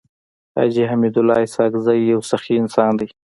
حاجي حميدالله اسحق زی يو سخي انسان دی.